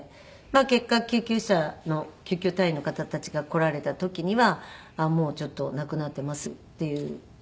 結果救急車の救急隊員の方たちが来られた時にはもうちょっと亡くなってますっていう事になって。